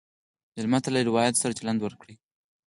مېلمه ته له روایاتو سره چلند وکړه.